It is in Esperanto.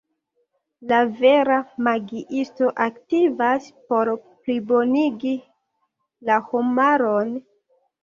La vera magiisto aktivas por plibonigi la homaron.